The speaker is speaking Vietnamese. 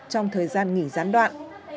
trong thời gian nghỉ gián đoạn